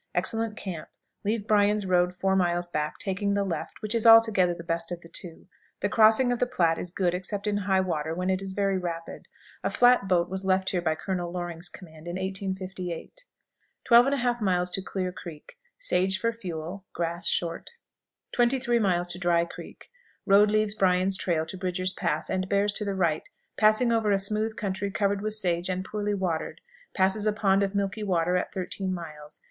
Excellent camp. Leave Bryan's road four miles back, taking the left, which is altogether the best of the two. The crossing of the Platte is good except in high water, when it is very rapid. A flat boat was left here by Colonel Loring's command in 1858. 12 1/2. Clear Creek. Sage for fuel; grass short. 23. Dry Creek. Road leaves Bryan's trail to Bridger's Pass, and bears to the right, passing over a smooth country covered with sage and poorly watered; passes a pond of milky water at thirteen miles.